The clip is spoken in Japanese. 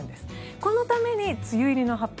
このために梅雨入りの発表